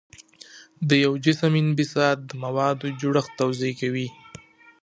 د یو جسم انبساط د موادو جوړښت توضیح کوي.